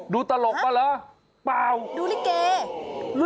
ดูตลกมาแล้วเปล่าดูลิ้งเกย์